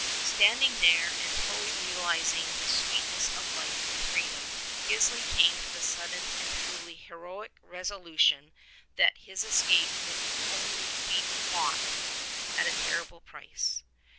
vStanding there and fully realizing the sweetness of life and freedom, Gisli came to the sudden and truly heroic reso lution that his escape would only be bought at a terrible price.